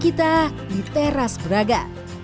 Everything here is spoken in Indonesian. kita di teras braga